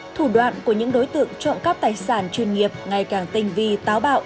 thủ đoạn của những đối tượng trộm cắp tài sản chuyên nghiệp ngày càng tinh vi táo bạo